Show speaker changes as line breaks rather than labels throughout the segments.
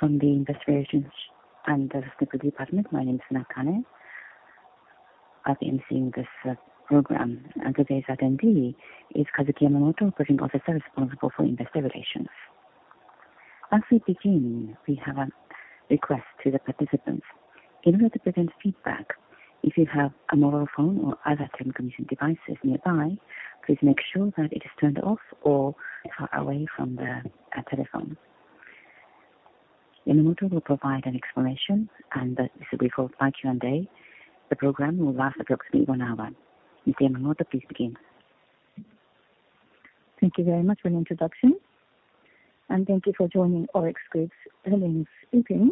From the Investor Relations and the Securities Department, my name is Nakane. I'll be emceeing this program, and today's attendee is Kazuki Yamamoto, Operating Officer responsible for Investor Relations. As we begin, we have a request to the participants. In order to prevent feedback, if you have a mobile phone or other telecommunication devices nearby, please make sure that it is turned off or far away from the telephone. Yamamoto will provide an explanation, and this will be for Q&A. The program will last approximately one hour. Mr. Yamamoto, please begin.
Thank you very much for the introduction, and thank you for joining ORIX Group's earnings meeting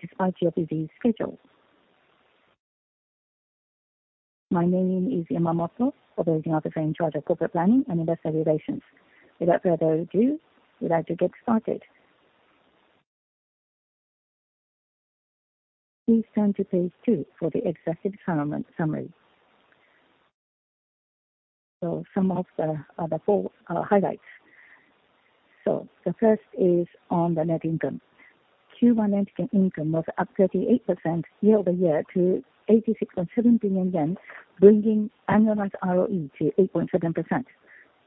despite your busy schedule. My name is Yamamoto, Operating Officer in charge of Corporate Planning and Investor Relations. Without further ado, we'd like to get started. Please turn to page two for the executive summary. So some of the four highlights. So the first is on the net income. Q1 net income was up 38% year-over-year to 86.7 billion yen, bringing annualized ROE to 8.7%.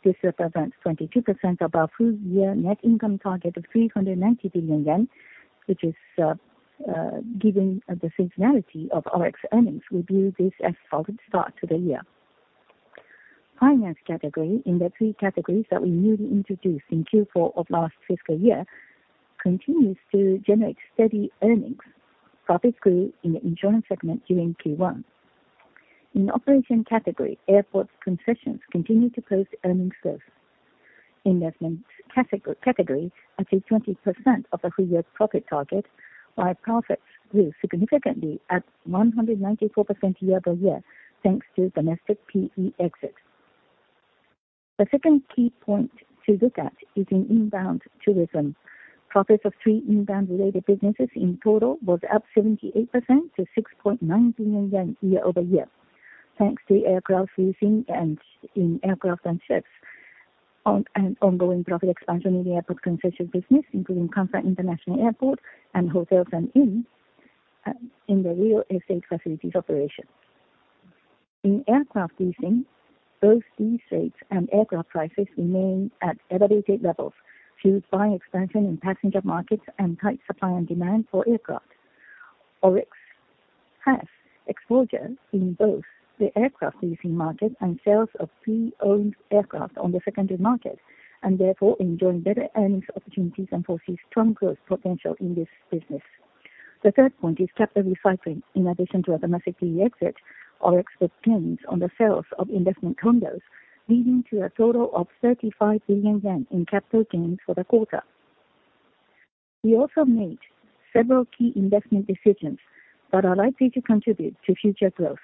This represents 22% above full-year net income target of 390 billion yen, which is given the seasonality of ORIX earnings, we view this as a solid start to the year. Finance category in the three categories that we newly introduced in Q4 of last fiscal year, continues to generate steady earnings. Profits grew in the insurance segment during Q1. In operation category, airport concessions continued to post earnings growth. Investment category at a 20% of the full year's profit target, while profits grew significantly at 194% year-over-year, thanks to domestic PE exits. The second key point to look at is in inbound tourism. Profits of three inbound-related businesses in total was up 78% to 6.9 billion yen year-over-year, thanks to aircraft leasing and in aircraft and ships and ongoing profit expansion in the airport concession business, including Kansai International Airport and hotels and inns, in the real estate facilities operation. In aircraft leasing, both lease rates and aircraft prices remain at elevated levels, fueled by expansion in passenger markets and tight supply and demand for aircraft. ORIX has exposure in both the aircraft leasing market and sales of pre-owned aircraft on the secondary market, and therefore enjoying better earnings opportunities and foresee strong growth potential in this business. The third point is capital recycling. In addition to a domestic PE exit, ORIX booked gains on the sales of investment condos, leading to a total of 35 billion yen in capital gains for the quarter. We also made several key investment decisions that are likely to contribute to future growth,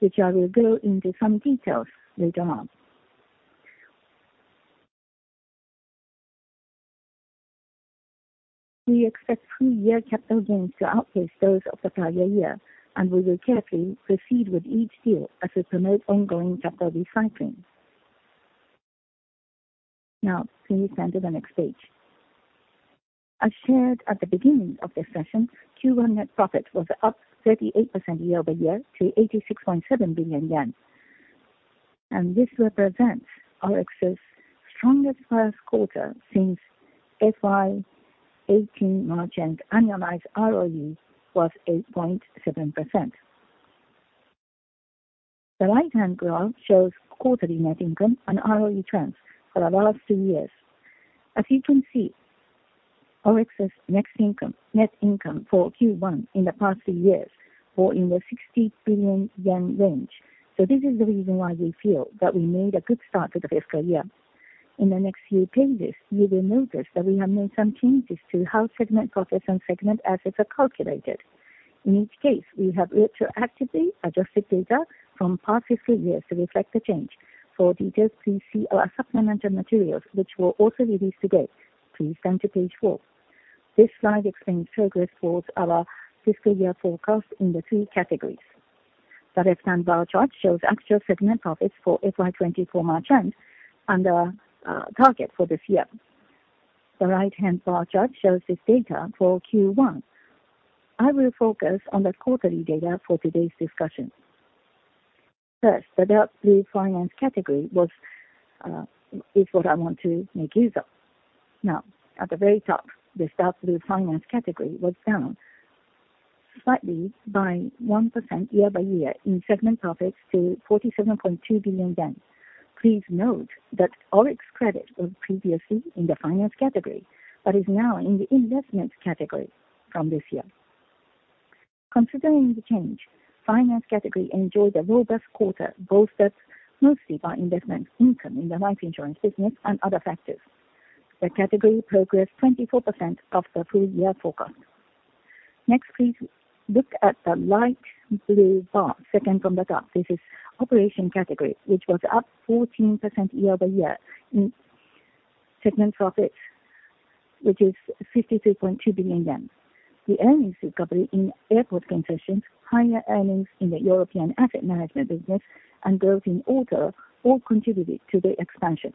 which I will go into some details later on. We expect full year capital gains to outpace those of the prior year, and we will carefully proceed with each deal as we promote ongoing capital recycling. Now, please turn to the next page. As shared at the beginning of the session, Q1 net profit was up 38% year-over-year to 86.7 billion yen. This represents ORIX's strongest first quarter since FY 2018 March, and annualized ROE was 8.7%. The right-hand graph shows quarterly net income and ROE trends for the last three years. As you can see, ORIX's net income for Q1 in the past three years were in the 60 billion yen range. So this is the reason why we feel that we made a good start to the fiscal year. In the next few pages, you will notice that we have made some changes to how segment profits and segment assets are calculated. In each case, we have retroactively adjusted data from past fiscal years to reflect the change. For details, please see our supplemental materials, which were also released today. Please turn to page four. This slide explains progress towards our fiscal year forecast in the three categories. The left-hand bar chart shows actual segment profits for FY 2024 March end and our target for this year. The right-hand bar chart shows this data for Q1. I will focus on the quarterly data for today's discussion. First, the dark blue finance category was, is what I want to make use of. Now, at the very top, the dark blue finance category was down slightly by 1% year-over-year in segment profits to 47.2 billion yen. Please note that ORIX Credit was previously in the finance category, but is now in the investment category from this year. Considering the change, finance category enjoyed a robust quarter, bolstered mostly by investment income in the life insurance business and other factors. The category progressed 24% of the full year forecast. Next, please look at the light blue bar, second from the top. This is operation category, which was up 14% year-over-year in segment profits, which is 52.2 billion yen. The earnings recovery in airport concessions, higher earnings in the European asset management business, and growth in order all contributed to the expansion.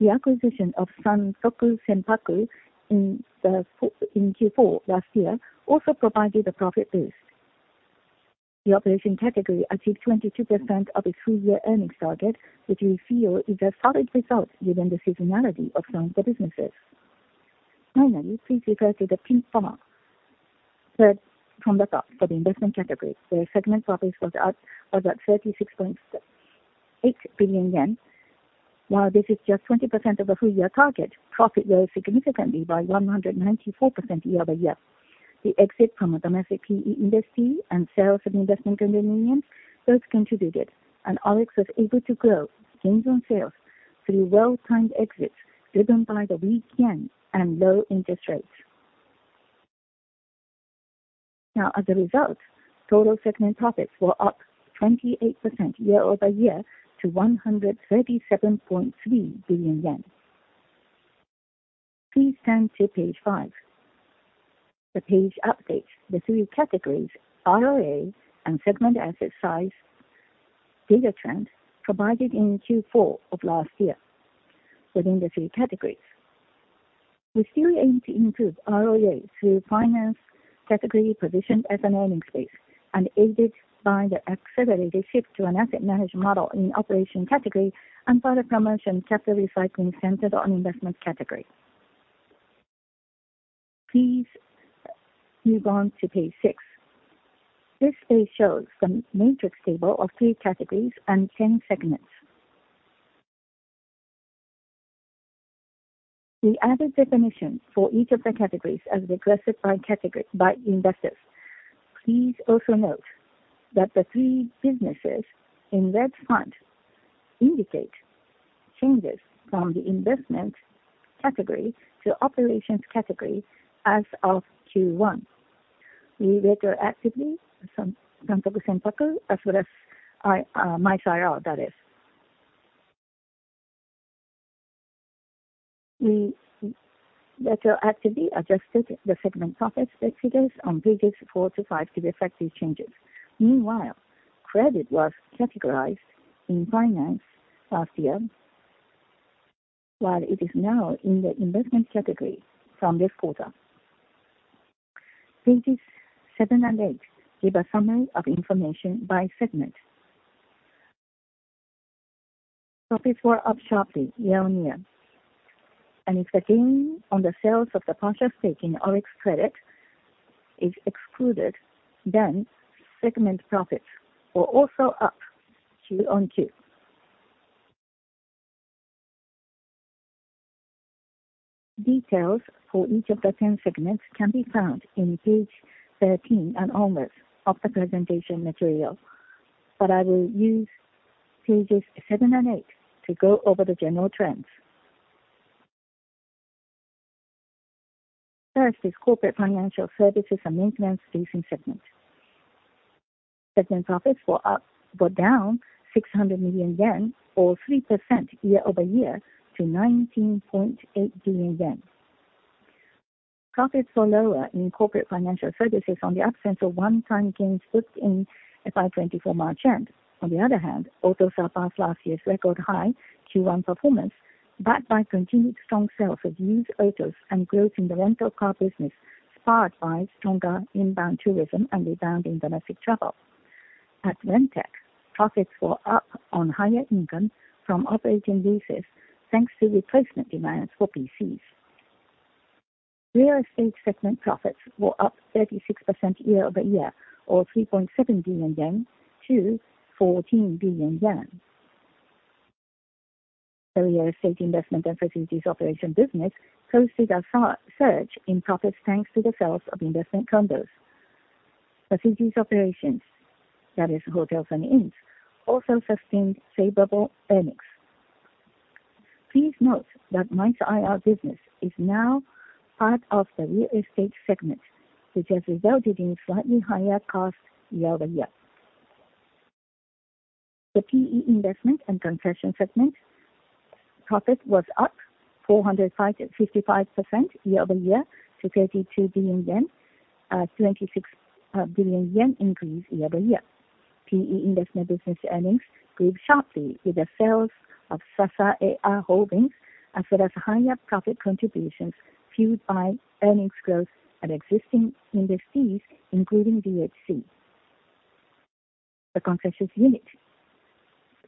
The acquisition of Santoku Senpaku in Q4 last year also provided a profit boost. The operation category achieved 22% of its full-year earnings target, which we feel is a solid result given the seasonality of some of the businesses. Finally, please refer to the pink column, third from the top. For the investment category, the segment profits was at 36.8 billion yen. While this is just 20% of the full-year target, profit grew significantly by 194% year-over-year. The exit from a domestic PE industry and sales of investment in the millions, both contributed, and ORIX was able to grow gains on sales through well-timed exits, driven by the weak yen and low interest rates. Now, as a result, total segment profits were up 28% year-over-year to 137.3 billion yen. Please turn to page 5. The page updates the three categories, ROA, and segment asset size data trend provided in Q4 of last year within the three categories. We still aim to improve ROA through finance category positioned as an earnings base and aided by the accelerated shift to an asset management model in operation category and further promotion capital recycling centered on investment category. Please move on to page 6. This page shows some matrix table of three categories and ten segments. We added definitions for each of the categories as requested by category, by investors. Please also note that the three businesses in red font indicate changes from the investment category to operations category as of Q1. We retroactively from Santoku Senpaku, as well as, MICE-IR, that is. We retroactively adjusted the segment profits figures on pages 4 to 5 to reflect these changes. Meanwhile, credit was categorized in finance last year, while it is now in the investment category from this quarter. Pages 7 and 8 give a summary of information by segment. Profits were up sharply year-on-year, and if the gain on the sales of the partial stake in ORIX Credit is excluded, then segment profits were also up Q-on-Q. Details for each of the 10 segments can be found in page 13 and onwards of the presentation material, but I will use pages 7 and 8 to go over the general trends. First is corporate financial services and maintenance leasing segment. Segment profits were down 600 million yen or 3% year-over-year to 19.8 billion yen. Profits were lower in corporate financial services on the absence of one-time gains booked in FY 2024 margin. On the other hand, autos surpassed last year's record high Q1 performance, backed by continued strong sales of used autos and growth in the rental car business, spurred by stronger inbound tourism and rebound in domestic travel. At Rentec, profits were up on higher income from operating leases, thanks to replacement demands for PCs. Real estate segment profits were up 36% year-over-year or 3.7 billion yen to 14 billion yen. Real estate investment and facilities operation business posted a surge in profits, thanks to the sales of investment condos. Facilities operations, that is hotels and inns, also sustained favorable earnings. Please note that MICE-IR business is now part of the real estate segment, which has resulted in slightly higher costs year-over-year. The PE investment and concession segment profit was up 455% year-over-year to 32 billion yen, 26 billion yen increase year-over-year. PE investment business earnings grew sharply with the sales of Sasaeah Holdings, as well as higher profit contributions fueled by earnings growth at existing investees, including DHC. The concessions unit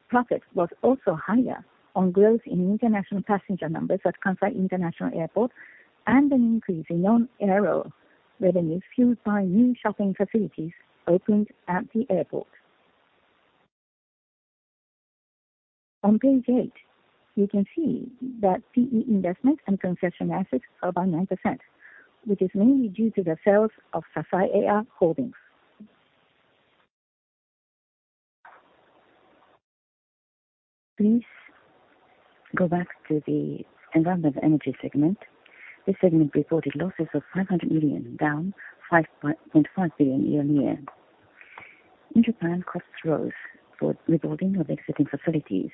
profit was also higher on growth in international passenger numbers at Kansai International Airport and an increase in non-aero revenues, fueled by new shopping facilities opened at the airport. On page 8, you can see that PE investments and concession assets are up by 9%, which is mainly due to the sales of Sasaeah Holdings. Please go back to the environment energy segment. This segment reported losses of 500 million, down 5.5 billion year-on-year.... In Japan, costs rose for rebuilding of existing facilities,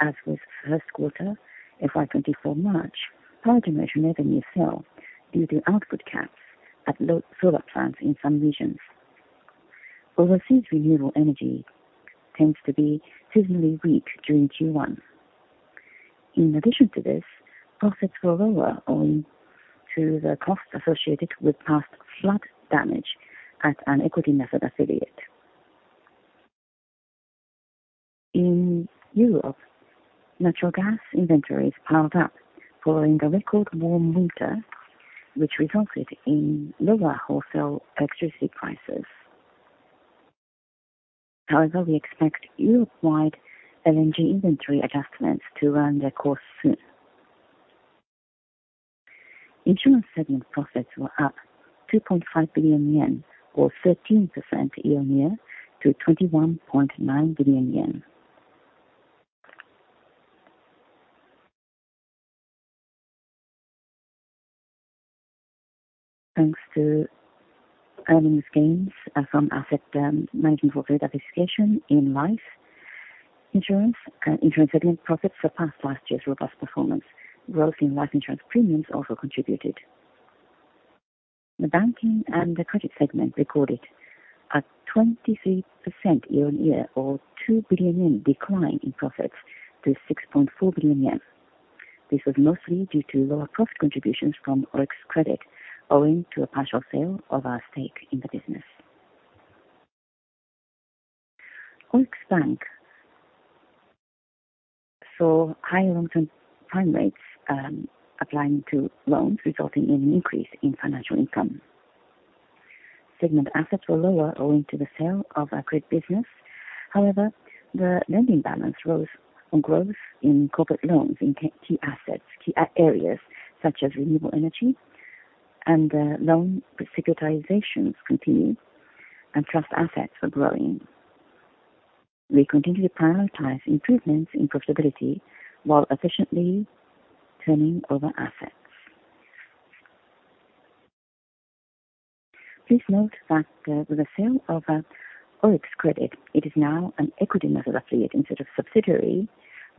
as was first quarter FY 2024 March, power generation revenue fell due to output caps at low solar plants in some regions. Overseas renewable energy tends to be seasonally weak during Q1. In addition to this, profits were lower owing to the costs associated with past flood damage at an equity method affiliate. In Europe, natural gas inventories piled up following a record warm winter, which resulted in lower wholesale electricity prices. However, we expect Europe-wide LNG inventory adjustments to run their course soon. Insurance segment profits were up 2.5 billion yen, or 13% year-on-year, to 21.9 billion yen. Thanks to earnings gains from asset management for diversification in life insurance and insurance segment profits surpassed last year's robust performance. Growth in life insurance premiums also contributed. The banking and the credit segment recorded a 23% year-on-year of 2 billion yen decline in profits to 6.4 billion yen. This was mostly due to lower cost contributions from ORIX credit, owing to a partial sale of our stake in the business. ORIX Bank saw higher long-term prime rates applying to loans, resulting in an increase in financial income. Segment assets were lower owing to the sale of our credit business. However, the lending balance rose on growth in corporate loans in key areas such as renewable energy and loan securitizations continued and trust assets are growing. We continue to prioritize improvements in profitability while efficiently turning over assets. Please note that with the sale of ORIX credit, it is now an equity method affiliate instead of subsidiary,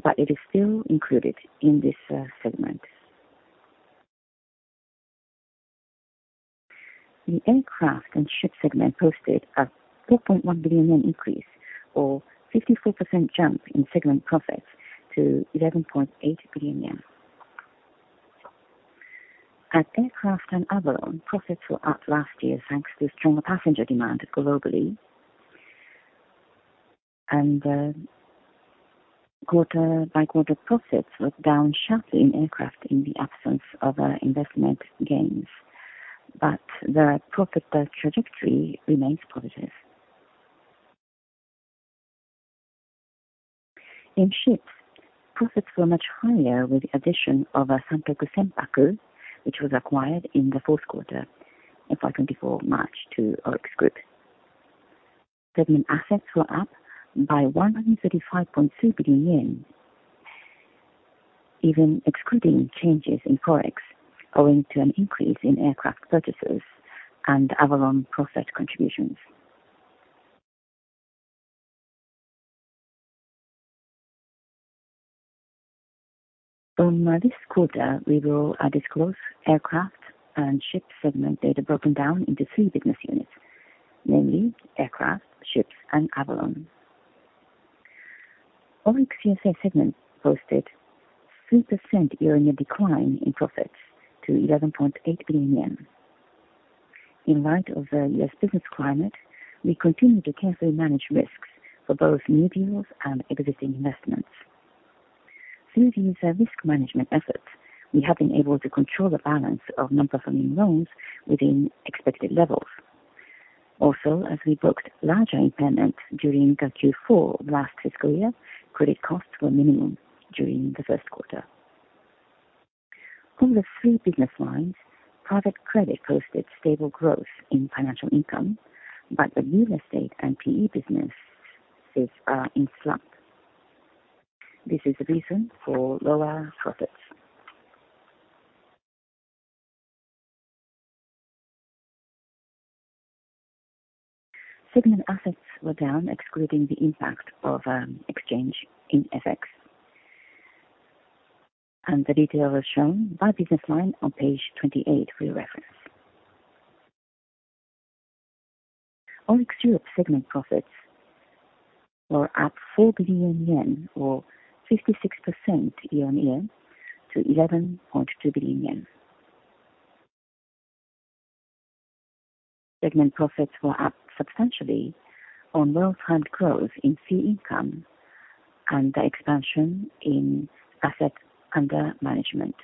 but it is still included in this segment. The aircraft and ship segment posted a 4.1 billion yen increase or 54% jump in segment profits to 11.8 billion yen. At Aircraft and Avolon, profits were up last year, thanks to stronger passenger demand globally. Quarter-by-quarter profits were down sharply in aircraft in the absence of investment gains, but the profit trajectory remains positive. In ships, profits were much higher with the addition of a Santoku Senpaku, which was acquired in the fourth quarter in FY 2024 March to ORIX Group. Certain assets were up by 135.2 billion yen, even excluding changes in Forex, owing to an increase in aircraft purchases and Avolon profit contributions. From this quarter, we will disclose aircraft and ships segment data broken down into three business units, namely aircraft, ships, and Avolon. ORIX USA segment posted 3% year-on-year decline in profits to 11.8 billion yen. In light of the U.S. business climate, we continue to carefully manage risks for both new deals and existing investments. Through these risk management efforts, we have been able to control the balance of non-performing loans within expected levels. Also, as we booked larger impairments during the Q4 of last fiscal year, credit costs were minimum during the first quarter. Of the 3 business lines, private credit posted stable growth in financial income, but the real estate and PE businesses are in slump. This is the reason for lower profits. Segment assets were down, excluding the impact of exchange in FX. The detail is shown by business line on page 28 for your reference. ORIX Europe segment profits were up 4 billion yen, or 56% year-on-year, to 11.2 billion yen. Segment profits were up substantially on well-timed growth in fee income and the expansion in assets under management.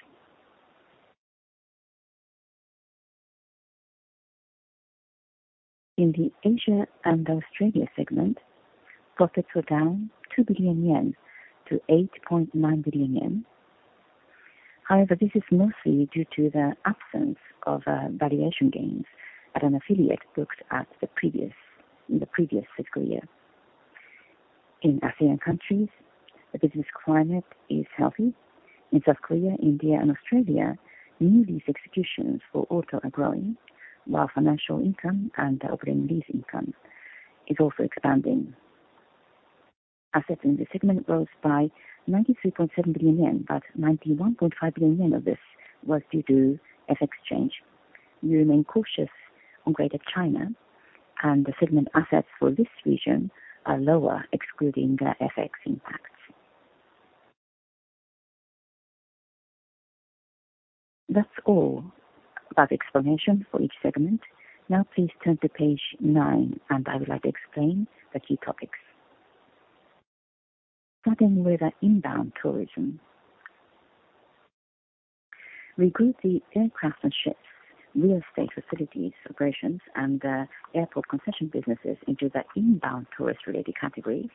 In the Asia and Australia segment, profits were down 2 billion yen to 8.9 billion yen. However, this is mostly due to the absence of valuation gains at an affiliate booked in the previous fiscal year. In ASEAN countries, the business climate is healthy. In South Korea, India, and Australia, new lease executions for auto are growing, while financial income and operating lease income is also expanding. Assets in the segment rose by 93.7 billion yen, but 91.5 billion yen of this was due to FX exchange. We remain cautious on Greater China, and the segment assets for this region are lower, excluding the FX impacts. That's all about explanation for each segment. Now please turn to page nine, and I would like to explain the key topics. Starting with the inbound tourism. We group the aircraft and ships, real estate facilities, operations, and airport concession businesses into the inbound tourist-related category,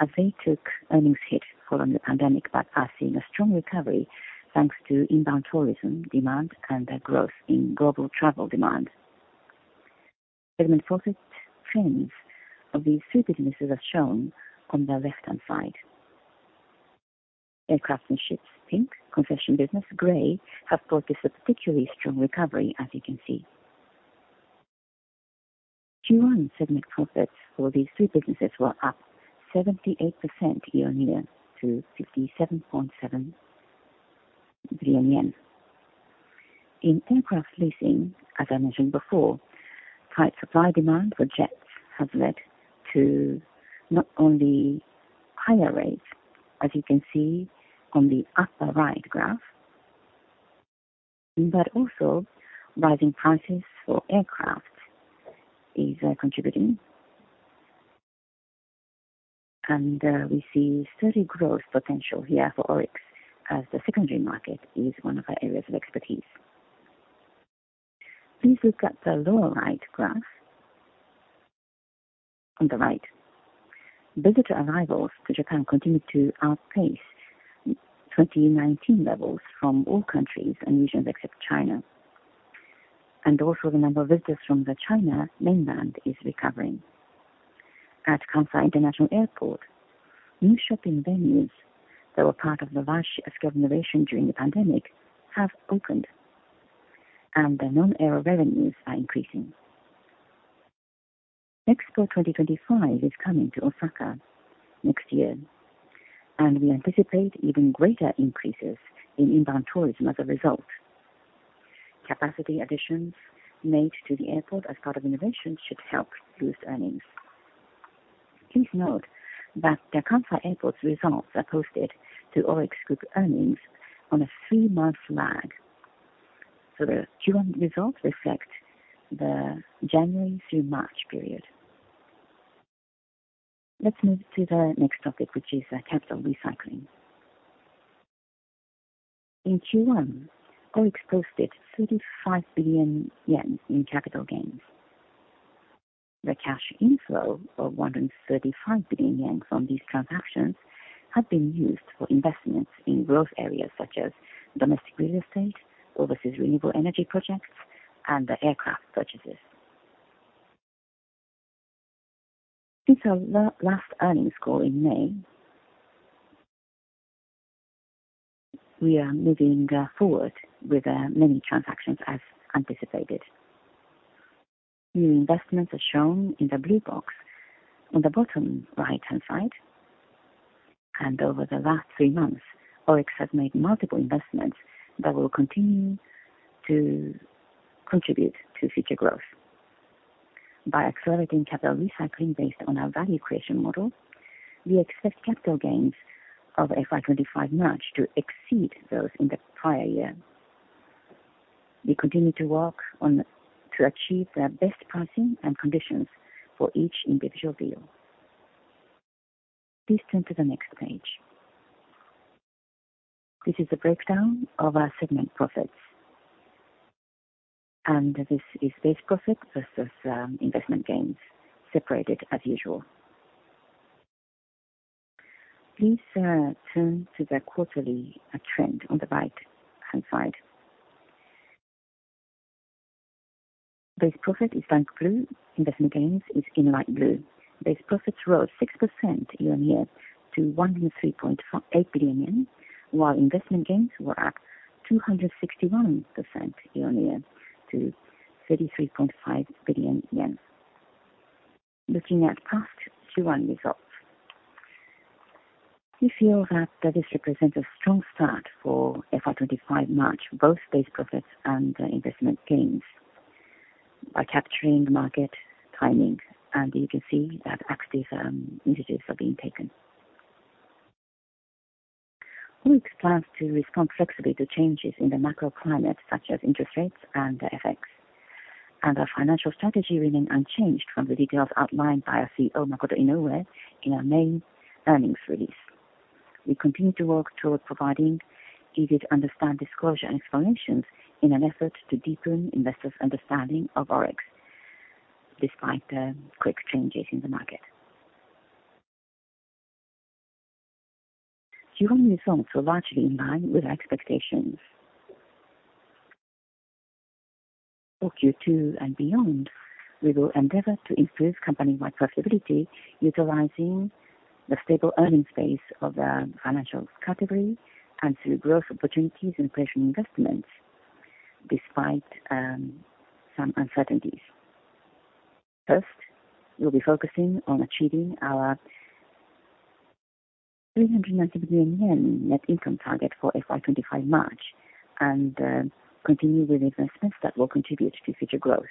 as they took earnings hit following the pandemic, but are seeing a strong recovery thanks to inbound tourism demand and the growth in global travel demand. Segment profit trends of these three businesses are shown on the left-hand side. Aircraft and ships, pink, concession business, gray, have brought a particularly strong recovery, as you can see. Q1 segment profits for these three businesses were up 78% year-on-year to 57.7 billion yen. In aircraft leasing, as I mentioned before, tight supply-demand for jets have led to not only higher rates, as you can see on the upper right graph, but also rising prices for aircraft is contributing. We see steady growth potential here for ORIX, as the secondary market is one of our areas of expertise. Please look at the lower right graph. On the right, visitor arrivals to Japan continued to outpace 2019 levels from all countries and regions except China, and also the number of visitors from the China mainland is recovering. At Kansai International Airport, new shopping venues that were part of the large-scale renovation during the pandemic have opened, and the non-air revenues are increasing. Expo 2025 is coming to Osaka next year, and we anticipate even greater increases in inbound tourism as a result. Capacity additions made to the airport as part of renovations should help boost earnings. Please note that the Kansai Airport's results are posted to ORIX Group earnings on a three-month lag, so the Q1 results reflect the January through March period. Let's move to the next topic, which is capital recycling. In Q1, ORIX posted 35 billion yen in capital gains. The cash inflow of 135 billion yen from these transactions have been used for investments in growth areas such as domestic real estate, overseas renewable energy projects, and the aircraft purchases. Since our last earnings call in May, we are moving forward with many transactions as anticipated. New investments are shown in the blue box on the bottom right-hand side, and over the last three months, ORIX has made multiple investments that will continue to contribute to future growth. By accelerating capital recycling based on our value creation model, we expect capital gains of FY 2025 March to exceed those in the prior year. We continue to work on to achieve the best pricing and conditions for each individual deal. Please turn to the next page. This is a breakdown of our segment profits, and this is base profit versus investment gains separated as usual. Please turn to the quarterly trend on the right-hand side. Base profit is dark blue, investment gains is in light blue. Base profits rose 6% year-on-year to 103.8 billion yen, while investment gains were up 261% year-on-year to 33.5 billion yen. Looking at past Q1 results, we feel that this represents a strong start for FY 25 March, both base profits and investment gains, by capturing market timing, and you can see that active initiatives are being taken. ORIX plans to respond flexibly to changes in the macro climate, such as interest rates and the FX, and our financial strategy remain unchanged from the details outlined by our CEO, Makoto Inoue, in our main earnings release. We continue to work toward providing easy-to-understand disclosure and explanations in an effort to deepen investors' understanding of ORIX despite the quick changes in the market. Q1 results were largely in line with our expectations.... for Q2 and beyond, we will endeavor to improve company-wide profitability, utilizing the stable earnings base of the financial category and through growth opportunities and patient investments, despite some uncertainties. First, we'll be focusing on achieving our 390 billion yen net income target for FY 2025 March, and continue with investments that will contribute to future growth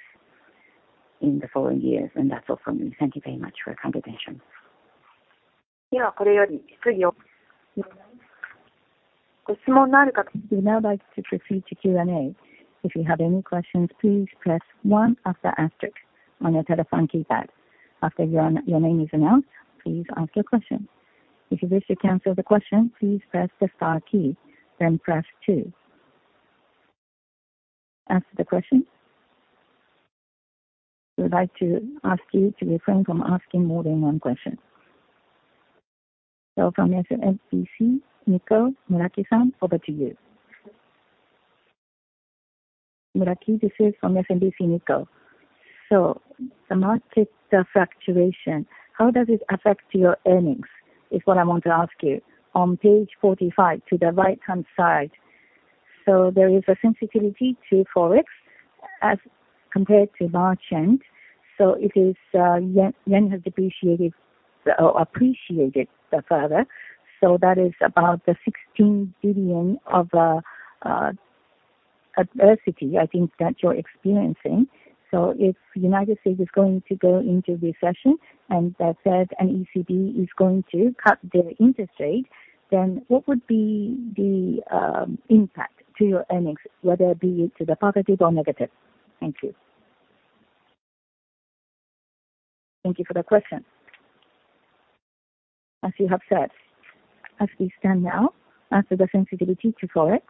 in the following years. That's all from me. Thank you very much for your kind attention.
We would now like to proceed to Q&A. If you have any questions, please press one after asterisk on your telephone keypad. After your name is announced, please ask your question. If you wish to cancel the question, please press the star key, then press two. Ask the question. We would like to ask you to refrain from asking more than one question. So from SMBC Nikko, Muraki-san, over to you.
Muraki, this is from SMBC Nikko. So the market, the fluctuation, how does it affect your earnings? Is what I want to ask you. On page 45, to the right-hand side, so there is a sensitivity to Forex as compared to March end. So it is, yen, yen has depreciated or appreciated further. So that is about the 16 billion of, adversity, I think, that you're experiencing. So if United States is going to go into recession, and the Fed and ECB is going to cut their interest rate, then what would be the impact to your earnings, whether it be to the positive or negative? Thank you.
Thank you for the question. As you have said, as we stand now, after the sensitivity to Forex,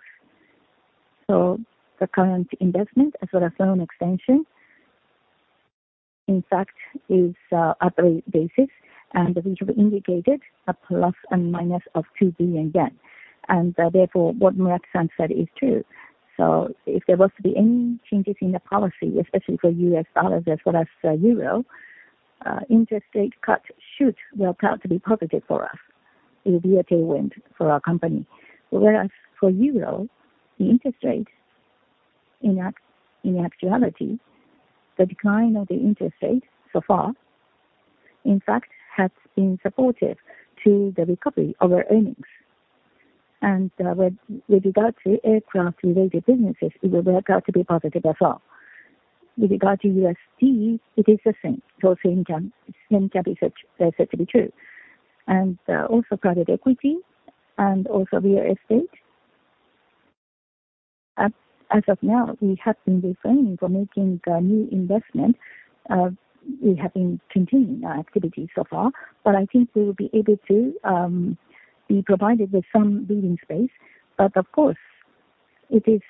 so the current investment as well as loan extension, in fact, is at rate basis, and we have indicated a ±2 billion yen. And, therefore, what Muraki-san said is true. So if there was to be any changes in the policy, especially for US dollars as well as euro, interest rate cuts should work out to be positive for us. It will be a tailwind for our company. Whereas for euro, the interest rate, in actuality, the decline of the interest rate so far, in fact, has been supportive to the recovery of our earnings. And, with regard to aircraft-related businesses, it will work out to be positive as well. With regard to USD, it is the same, so same can be said to be true. And also private equity and also real estate, as of now, we have been refraining from making new investment. We have been continuing our activities so far, but I think we will be able to be provided with some breathing space. But of course, it is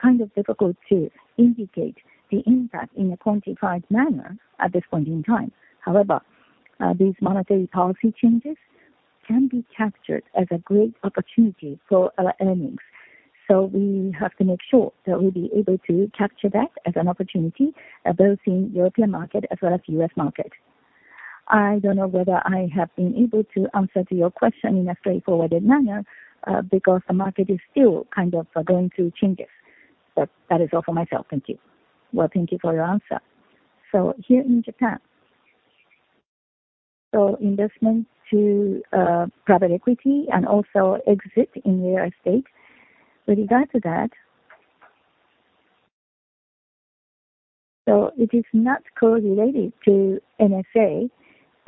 kind of difficult to indicate the impact in a quantified manner at this point in time. However, these monetary policy changes can be captured as a great opportunity for our earnings. So we have to make sure that we'll be able to capture that as an opportunity both in European market as well as US market. I don't know whether I have been able to answer to your question in a straightforward manner, because the market is still kind of going through changes. But that is all for myself. Thank you.
Well, thank you for your answer. So here in Japan, so investment to private equity and also exit in real estate, with regard to that, so it is not correlated to NSA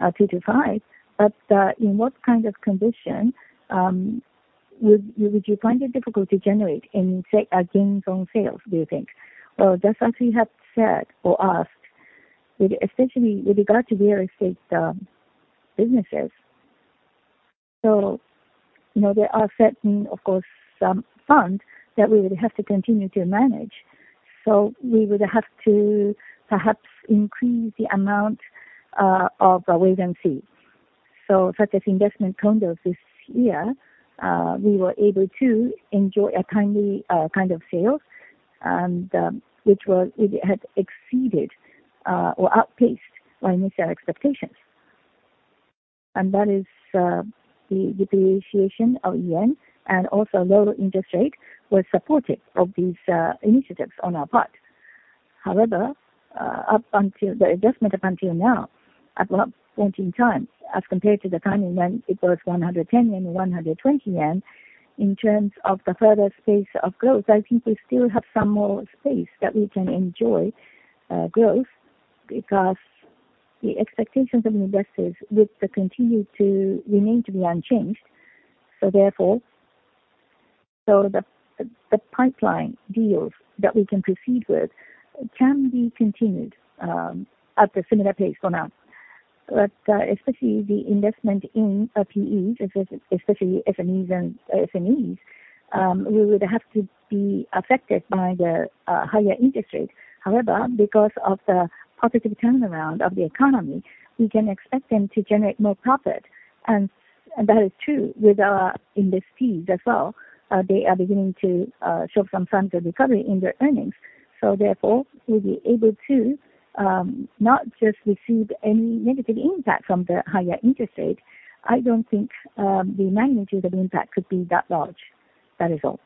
2-5, but in what kind of condition would you find it difficult to generate gains on sales, do you think?
Well, just as you have said or asked, with essentially, with regard to real estate businesses, so you know, there are certain, of course, some funds that we would have to continue to manage. So we would have to perhaps increase the amount of our wage and fee. So, such as investment condos this year, we were able to enjoy kind of sales, and which was, it had exceeded or outpaced our initial expectations. And that is, the depreciation of yen and also lower interest rate was supportive of these initiatives on our part. However, up until now, at one point in time, as compared to the time when it was 110 yen, 120 yen, in terms of the further space of growth, I think we still have some more space that we can enjoy growth, because the expectations of investors would continue to remain to be unchanged. So therefore, the pipeline deals that we can proceed with can be continued at the similar pace for now. But especially the investment in PEs, especially SMEs and SMEs, we would have to be affected by the higher interest rates. However, because of the positive turnaround of the economy, we can expect them to generate more profit, and that is true with in these fees as well. They are beginning to show some signs of recovery in their earnings. So therefore, we'll be able to not just receive any negative impact from the higher interest rate. I don't think the magnitude of impact could be that large. That is all.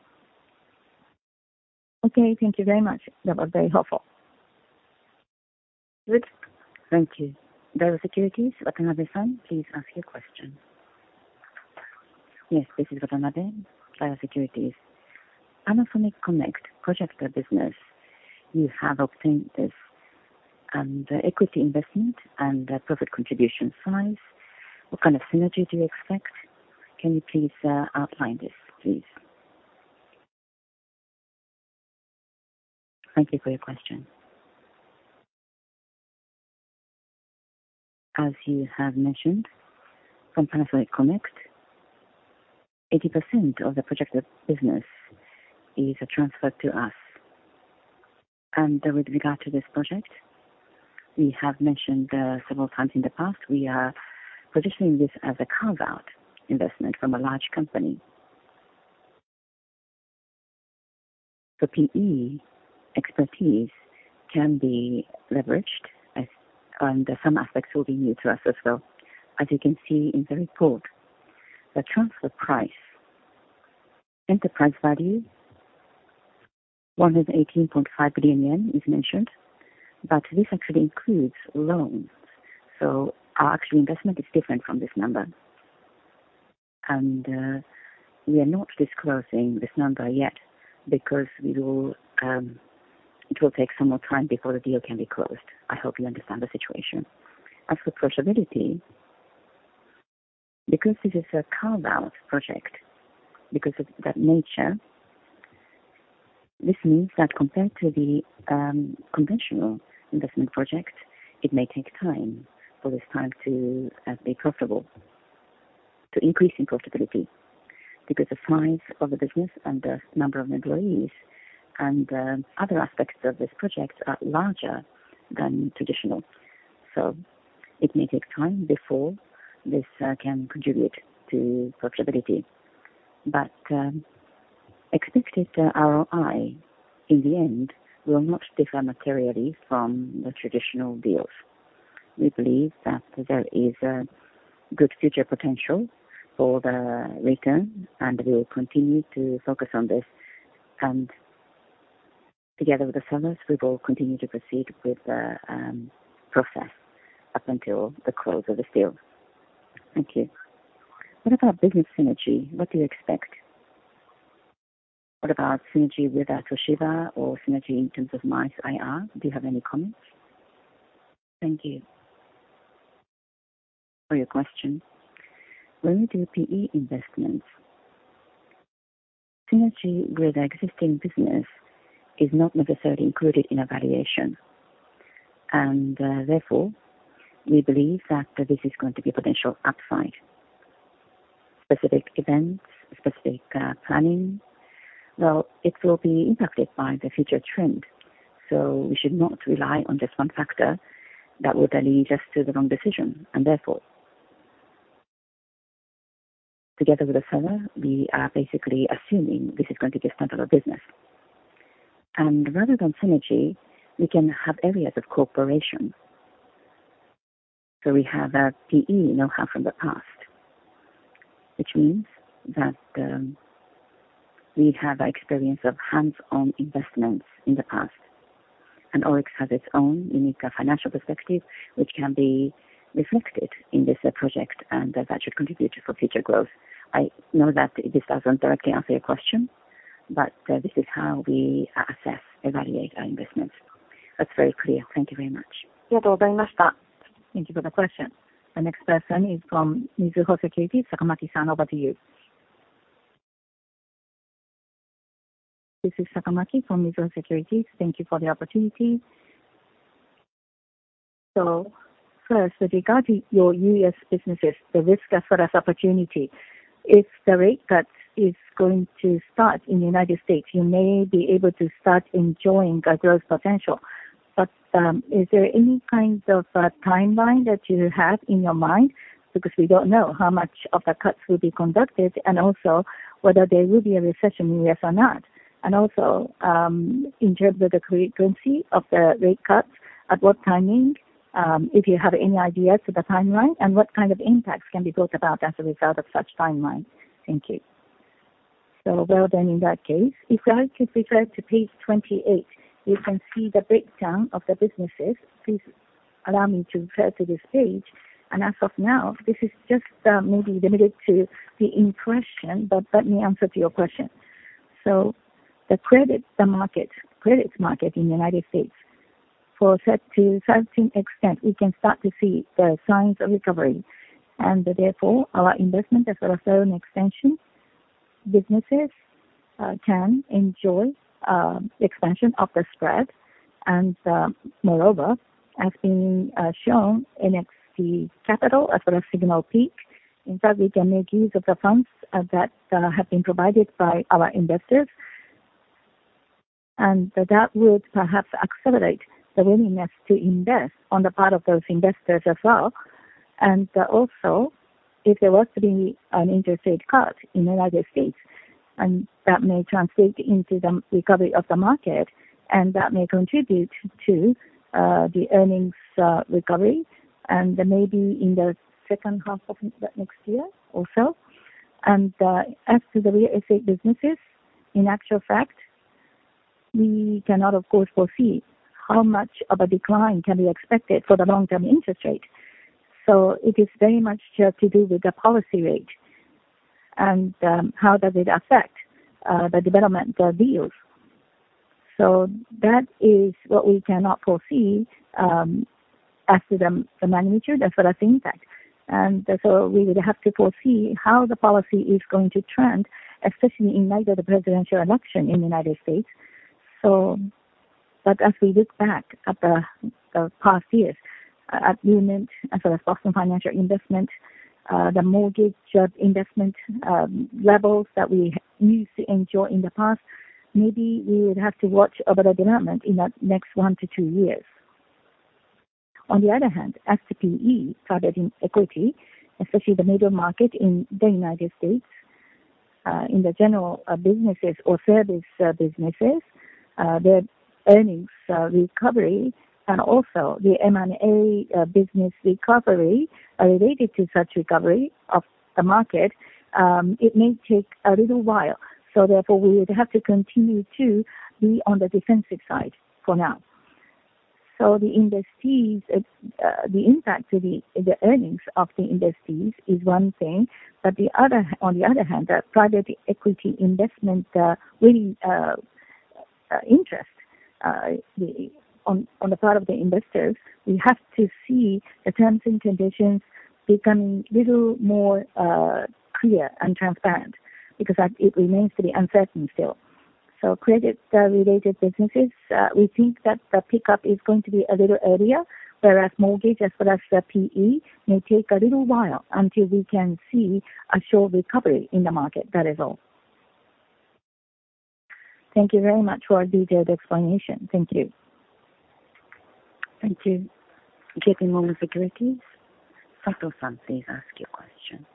Okay, thank you very much. That was very helpful.
Good. Thank you. Daiwa Securities, Watanabe-san, please ask your question.
Yes, this is Watanabe, Daiwa Securities. Panasonic Connect projector business, you have obtained this, and equity investment and profit contribution size, what kind of synergy do you expect? Can you please outline this, please?
Thank you for your question. As you have mentioned, from Panasonic Connect, 80% of the projected business is transferred to us. With regard to this project, we have mentioned several times in the past, we are positioning this as a carve-out investment from a large company. The PE expertise can be leveraged, as and some aspects will be new to us as well. As you can see in the report, the transfer price, enterprise value, 118.5 billion yen is mentioned, but this actually includes loans, so our actual investment is different from this number. We are not disclosing this number yet because we will, it will take some more time before the deal can be closed. I hope you understand the situation. As for profitability, because this is a carve-out project, because of that nature, this means that compared to the conventional investment project, it may take time for this time to be profitable, to increase in profitability, because the size of the business and the number of employees and other aspects of this project are larger than traditional. So it may take time before this can contribute to profitability. But expected ROI, in the end, will not differ materially from the traditional deals. We believe that there is a good future potential for the return, and we will continue to focus on this. And together with the sellers, we will continue to proceed with the process up until the close of this deal.
Thank you. What about business synergy? What do you expect? What about synergy with Toshiba or synergy in terms of MICE- IR? Do you have any comments?
Thank you for your question. When we do PE investments, synergy with our existing business is not necessarily included in our valuation, and therefore we believe that this is going to be a potential upside. Specific events, specific planning, well, it will be impacted by the future trend, so we should not rely on just one factor that would then lead us to the wrong decision. Therefore, together with the seller, we are basically assuming this is going to be a separate business. Rather than synergy, we can have areas of cooperation. So we have a PE know-how from the past, which means that we have experience of hands-on investments in the past, and ORIX has its own unique financial perspective, which can be reflected in this project, and that should contribute for future growth. I know that this doesn't directly answer your question, but this is how we assess, evaluate our investments.
That's very clear. Thank you very much.
Thank you for the question. The next person is from Mizuho Securities. Sakamaki-san, over to you.
This is Sakamaki from Mizuho Securities. Thank you for the opportunity. So first, with regard to your U.S. businesses, the risk as well as opportunity, if the rate cut is going to start in the United States, you may be able to start enjoying a growth potential. But, is there any kind of a timeline that you have in your mind? Because we don't know how much of the cuts will be conducted, and also whether there will be a recession in U.S. or not. And also, in terms of the frequency of the rate cuts, at what timing, if you have any ideas for the timeline, and what kind of impacts can be brought about as a result of such timeline? Thank you.
So well then, in that case, if I could refer to page 28, you can see the breakdown of the businesses. Please allow me to refer to this page. And as of now, this is just, maybe limited to the impression, but let me answer to your question. So the credit, the market, credit market in the United States, to a certain extent, we can start to see the signs of recovery, and therefore, our investment as well as loan extension businesses can enjoy the expansion of the spread. And, moreover, as being shown in NXT Capital as well as Signal Peak, in fact, we can make use of the funds that have been provided by our investors, and that would perhaps accelerate the willingness to invest on the part of those investors as well. And, also-... If there was to be an interest rate cut in the United States, and that may translate into the recovery of the market, and that may contribute to the earnings recovery, and maybe in the second half of next year or so. And as to the real estate businesses, in actual fact, we cannot, of course, foresee how much of a decline can be expected for the long-term interest rate. So it is very much to do with the policy rate and how does it affect the development, the deals. So that is what we cannot foresee as to the magnitude as well as impact. And so we would have to foresee how the policy is going to trend, especially in light of the presidential election in the United States. So, but as we look back at the past years at Lument and for the financial investment, the mortgage investment, levels that we used to enjoy in the past, maybe we would have to watch over the development in the next one to two years. On the other hand, as to PE, private equity, especially the middle market in the United States, in the general businesses or service businesses, the earnings recovery and also the M&A business recovery are related to such recovery of the market, it may take a little while, so therefore we would have to continue to be on the defensive side for now. So the industries, the impact to the, the earnings of the industries is one thing, but the other, on the other hand, the private equity investment, really, interest, on, on the part of the investors, we have to see the terms and conditions becoming a little more, clear and transparent, because that it remains to be uncertain still. So credit, related businesses, we think that the pickup is going to be a little earlier, whereas mortgage, as well as the PE, may take a little while until we can see a sure recovery in the market. That is all. Thank you very much for a detailed explanation. Thank you. Thank you.
J.P. Morgan Securities. Sato-san, please ask your question.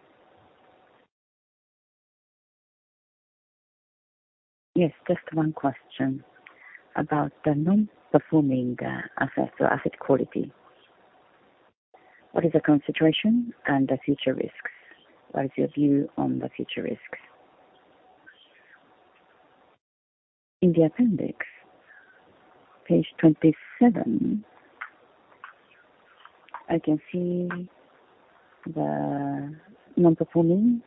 Yes, just one question about the non-performing assets or asset quality. What is the current situation and the future risks? What is your view on the future risks?
In the appendix, page 27, I can see the non-performing.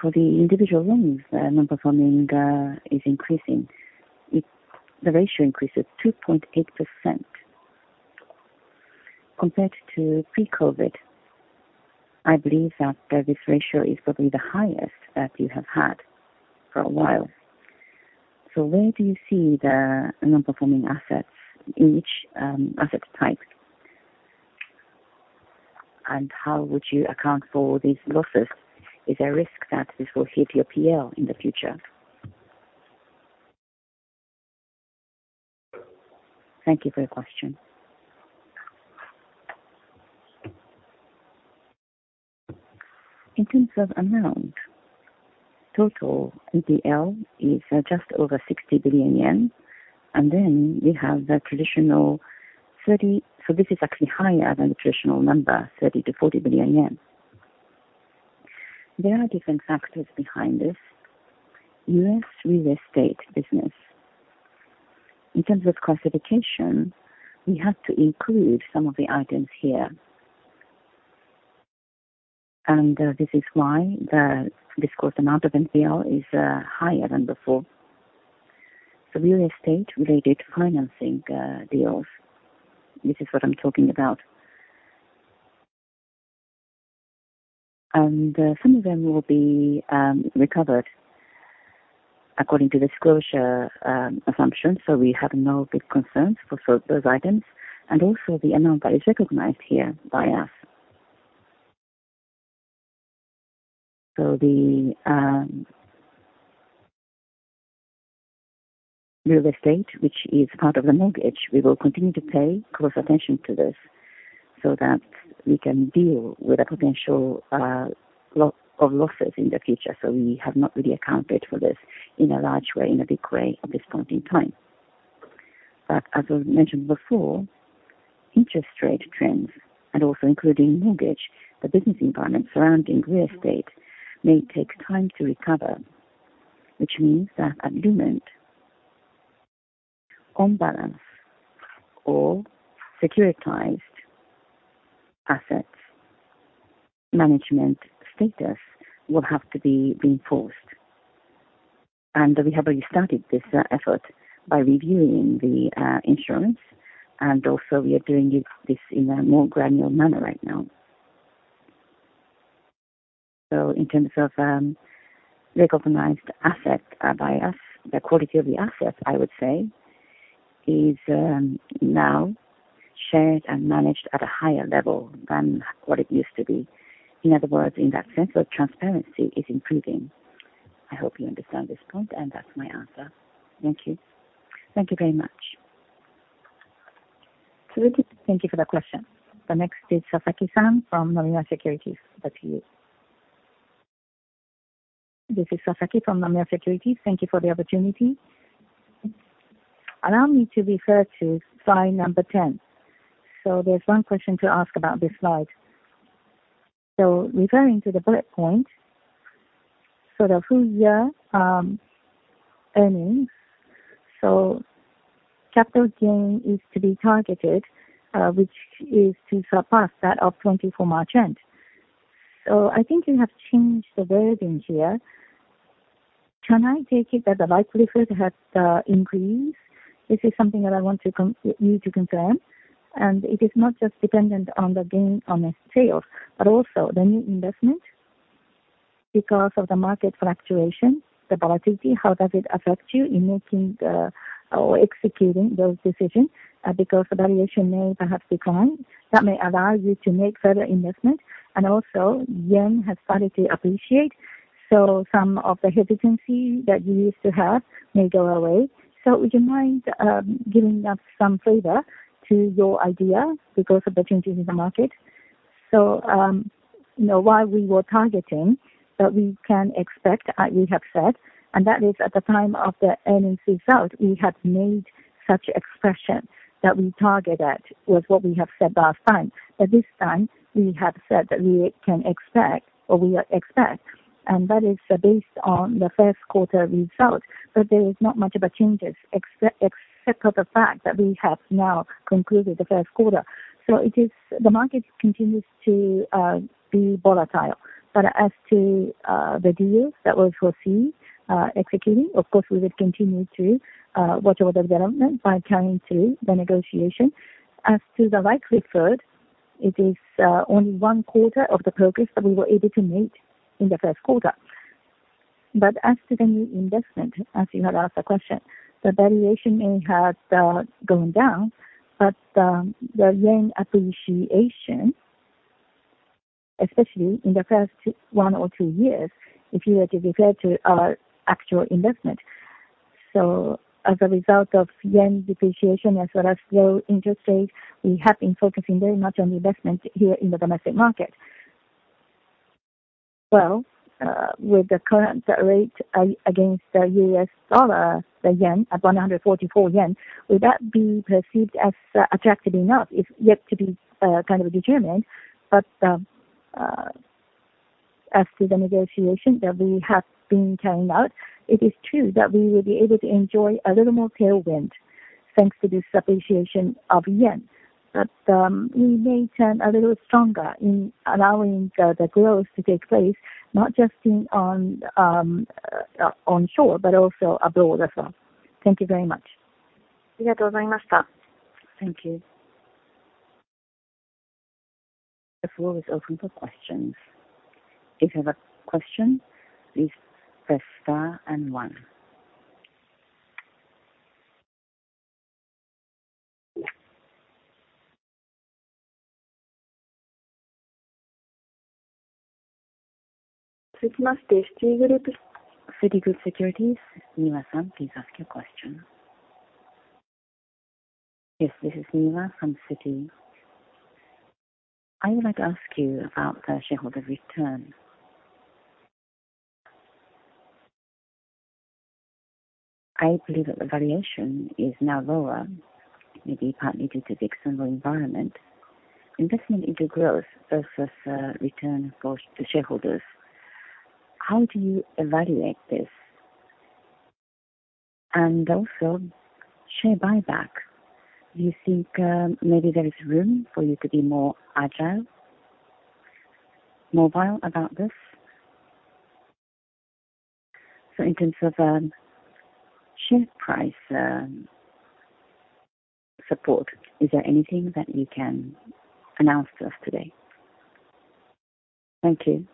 For the individual loans, the non-performing is increasing. The ratio increases 2.8%. Compared to pre-COVID, I believe that this ratio is probably the highest that you have had for a while. So where do you see the non-performing assets in each asset type? And how would you account for these losses? Is there a risk that this will hit your P&L in the future? Thank you for your question. In terms of amount, total NPL is just over 60 billion yen, and then we have the traditional thirty... So this is actually higher than the traditional number, 30 billion-40 billion yen. There are different factors behind this. U.S. real estate business. In terms of classification, we have to include some of the items here. This is why the disclosed amount of NPL is higher than before. The real estate-related financing deals, this is what I'm talking about. Some of them will be recovered according to disclosure assumptions, so we have no big concerns for those items, and also the amount that is recognized here by us. So the real estate, which is part of the mortgage, we will continue to pay close attention to this so that we can deal with the potential loss of losses in the future. So we have not really accounted for this in a large way, in a big way at this point in time. But as I mentioned before, interest rate trends and also including mortgage, the business environment surrounding real estate may take time to recover, which means that at Lument, on balance or securitized assets, management status will have to be reinforced. And we have already started this effort by reviewing the insurance, and also we are doing this in a more granular manner right now. So in terms of recognized assets by us, the quality of the assets, I would say is now shared and managed at a higher level than what it used to be. In other words, in that sense, transparency is improving. I hope you understand this point, and that's my answer. Thank you.
Thank you very much.
Thank you for that question. The next is Sasaki-san from Nomura Securities, over to you. This is Sasaki from Nomura Securities.
Thank you for the opportunity. Allow me to refer to slide number 10. There's one question to ask about this slide. Referring to the bullet point, the full year earnings, capital gain is to be targeted, which is to surpass that of 2024 March end. I think you have changed the wording here. Can I take it that the likelihood has increased? This is something that I want to come to you to confirm, and it is not just dependent on the gain on the sales, but also the new investment because of the market fluctuation, the volatility, how does it affect you in making, or executing those decisions?
Because the valuation may perhaps decline, that may allow you to make further investment, and also yen has started to appreciate, so some of the hesitancy that you used to have may go away. So would you mind giving us some flavor to your idea because of the changes in the market? So, you know, while we were targeting, that we can expect, as we have said, and that is at the time of the earnings result, we have made such expression that we target at, was what we have said last time. But this time, we have said that we can expect or we expect, and that is based on the first quarter results. But there is not much of a changes, except, except for the fact that we have now concluded the first quarter. So it is... The market continues to be volatile. But as to the deals that we foresee executing, of course, we will continue to watch over the development by carrying through the negotiation. As to the likelihood, it is only one quarter of the progress that we were able to make in the first quarter. But as to the new investment, as you have asked the question, the valuation may have gone down, but the yen appreciation, especially in the first one or two years, if you were to refer to our actual investment. So as a result of yen depreciation as well as low interest rate, we have been focusing very much on investment here in the domestic market. Well, with the current rate against the US dollar, the yen, at 144 yen, will that be perceived as attractive enough? Is yet to be kind of determined. But, as to the negotiation that we have been carrying out, it is true that we will be able to enjoy a little more tailwind, thanks to this appreciation of yen. But, we may turn a little stronger in allowing the growth to take place, not just in, on shore, but also abroad as well. Thank you very much.
Thank you.
The floor is open for questions. If you have a question, please press star and one. Citigroup.
Global Markets Japan, Niwa-san, please ask your question.
Yes, this is Niwa from Citi. I would like to ask you about the shareholder return. I believe that the valuation is now lower, maybe partly due to the external environment, investment into growth versus, return for the shareholders. How do you evaluate this? And also share buyback. Do you think, maybe there is room for you to be more agile, mobile about this? So in terms of, share price, support, is there anything that you can announce to us today?
Thank you.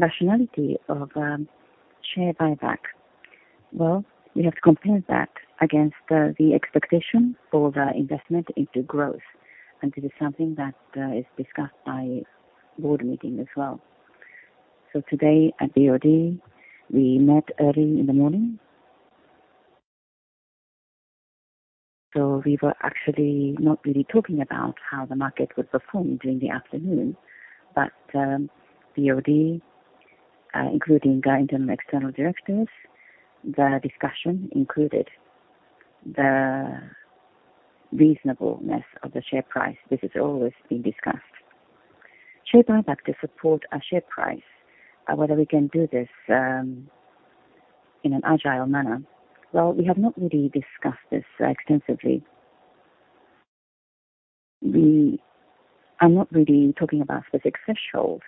Rationality of share buyback. Well, we have to compare that against the expectation for the investment into growth, and it is something that is discussed by board meeting as well. So today at BOD, we met early in the morning. So we were actually not really talking about how the market would perform during the afternoon. But BOD, including our internal and external directors, the discussion included the reasonableness of the share price. This has always been discussed. Share buyback to support our share price, whether we can do this in an agile manner. Well, we have not really discussed this extensively. We are not really talking about the specific threshold,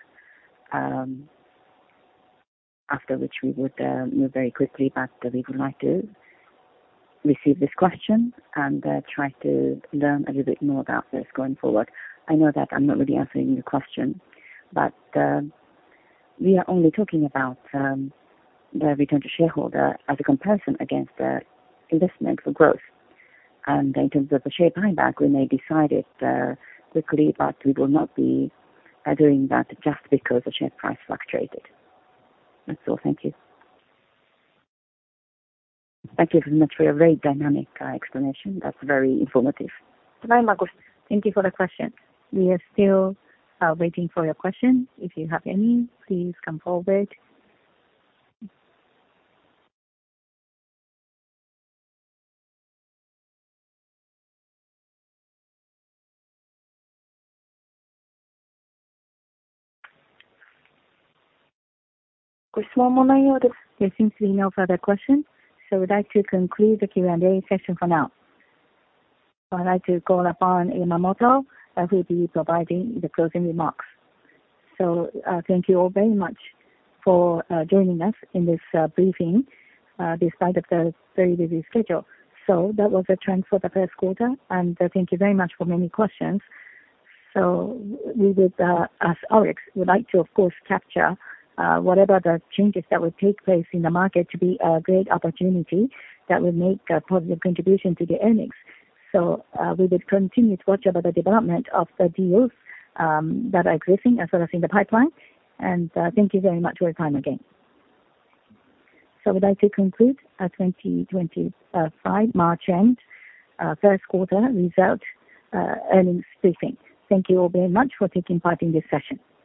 after which we would move very quickly, but we would like to receive this question and try to learn a little bit more about this going forward. I know that I'm not really answering your question, but we are only talking about the return to shareholder as a comparison against the investment for growth. In terms of the share buyback, we may decide it quickly, but we will not be doing that just because the share price fluctuated. That's all. Thank you.
Thank you so much for your very dynamic explanation. That's very informative.
Thank you for the question. We are still waiting for your question. If you have any, please come forward. There seems to be no further questions, so we'd like to conclude the Q&A session for now. I'd like to call upon Yamamoto, who will be providing the closing remarks.
So, thank you all very much for joining us in this briefing despite of the very busy schedule. So that was the trend for the first quarter, and thank you very much for many questions. So we would, as ORIX, we'd like to, of course, capture whatever the changes that will take place in the market to be a great opportunity that will make a positive contribution to the earnings. So, we will continue to watch over the development of the deals, that are existing as well as in the pipeline. And, thank you very much for your time again. So we'd like to conclude our 2025 March end, first quarter result, earnings briefing. Thank you all very much for taking part in this session.